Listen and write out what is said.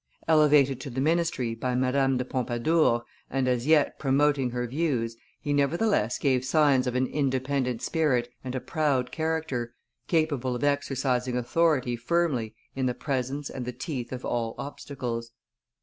Elevated to the ministry by Madame de Pompadour, and as yet promoting her views, he nevertheless gave signs of an independent spirit and a proud character, capable of exercising authority firmly in the presence and the teeth of all obstacles.